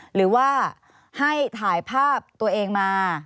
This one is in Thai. หรือว่าให้ถ่ายภาพตัวเองมา